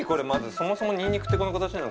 そもそもニンニクってこの形なの？